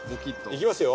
行きますよ？